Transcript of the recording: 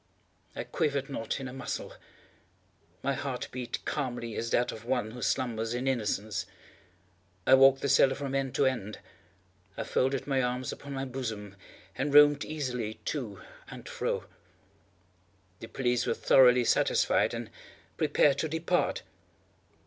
I quivered not in a muscle. My heart beat calmly as that of one who slumbers in innocence. I walked the cellar from end to end. I folded my arms upon my bosom, and roamed easily to and fro. The police were thoroughly satisfied and prepared to depart.